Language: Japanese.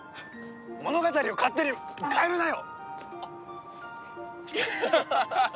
物語を勝手に変えるなよ！